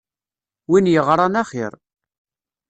Win yeɣran axir.